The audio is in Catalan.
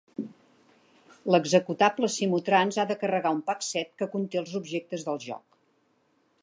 L'executable "Simutrans" ha de carregar un PakSet que conté els objectes del joc.